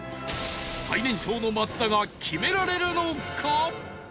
最年少の松田が決められるのか？